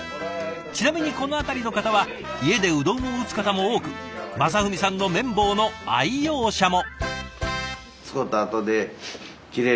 ちなみにこの辺りの方は家でうどんを打つ方も多く正文さんの麺棒の愛用者も。